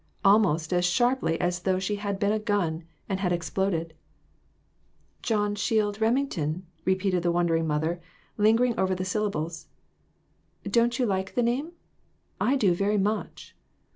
almost as sharply as though she had been a gun, and had exploded. "John Shield Remington," repeated the won dering mother, lingering over the syllables ; "don't you like the name? I do, very much."